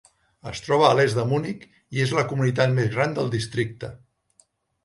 Es troba a l'est de Munic i és la comunitat més gran del districte.